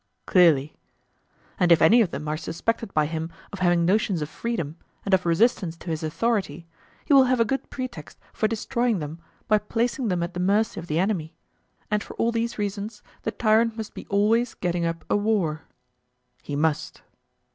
Clearly. And if any of them are suspected by him of having notions of freedom, and of resistance to his authority, he will have a good pretext for destroying them by placing them at the mercy of the enemy; and for all these reasons the tyrant must be always getting up a war. He must.